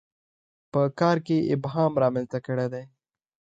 په کار کې یې ابهام رامنځته کړی دی.